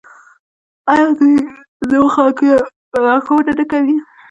آیا دوی نویو خلکو ته لارښوونه نه کوي؟